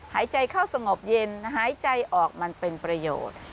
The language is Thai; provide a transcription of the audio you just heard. หายใจเข้าสงบเย็นหายใจออกมันเป็นประโยชน์